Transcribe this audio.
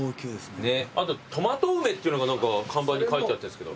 あととまと梅っていうのが看板に書いてあったんですけど。